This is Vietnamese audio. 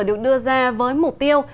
được đưa ra với mục tiêu